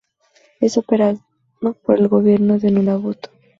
Es operado por el gobierno de Nunavut.